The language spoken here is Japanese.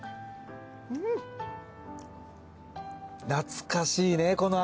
懐かしいねこの味。